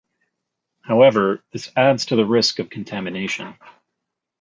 However, this adds to the risk of contamination.